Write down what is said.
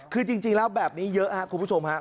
คือจริงแล้วแบบนี้เยอะครับคุณผู้ชมครับ